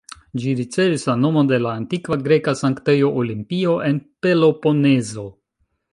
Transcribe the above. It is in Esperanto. Ĝi ricevis la nomon de la antikva greka sanktejo Olimpio, en Peloponezo.